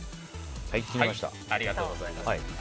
ありがとうございます。